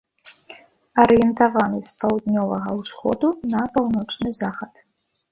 Арыентаваны з паўднёвага усходу на паўночны захад.